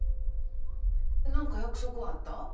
何か約束あった？